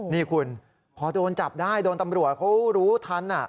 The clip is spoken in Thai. นี่คุณพอโดนจับได้โดนตำรวจเขารู้ทัน